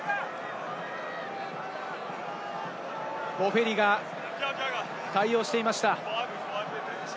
ボフェリが対応していました。